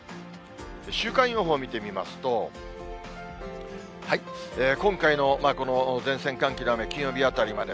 週間予報見てみますと、今回のこの前線、寒気の雨、金曜日あたりまで。